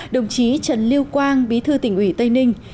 đồng chí trần lưu quang bí thư tỉnh ủy tây ninh